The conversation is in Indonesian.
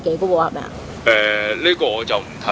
ehm itu saya tidak tahu